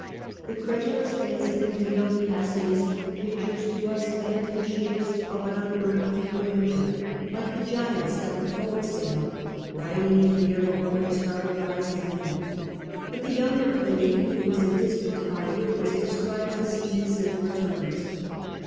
The credulous fancy A.D. 79 81. Titus. 161 of Dion Cassius pictures to us phantom shapes of an unearthly grandeur, like the giants that the poets sing of, riding in the air before the startled eyes of men ; but the younger Pliny, who was a distant eye witness, The account describes the scene in simpler terms.